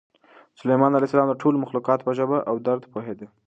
سلیمان علیه السلام د ټولو مخلوقاتو په ژبه او درد پوهېده.